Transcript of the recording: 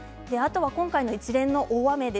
今回の一連の大雨